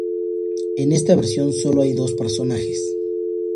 En esta versión sólo hay dos personajes.